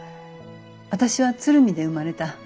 私は鶴見で生まれた。